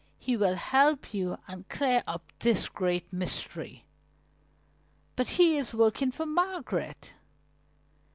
He will help you and clear up this great mystery." "But he is working for Margaret."